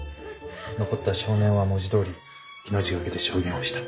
残った少年は文字通り命懸けで証言をした。